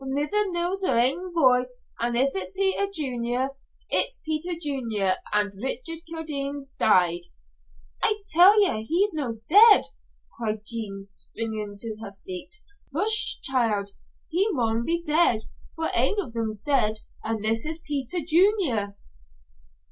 A mither knows her ain boy, an' if it's Peter Junior, it's Peter Junior, and Richard Kildene's died." "I tell ye he's no dead!" cried Jean, springing to her feet. "Hush, child. He maun be dead, for ain of them's dead, and this is Peter Junior."